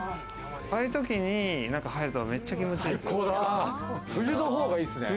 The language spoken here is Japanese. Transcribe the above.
ああいう時に入ると、めっちゃ気持ち良いですよ。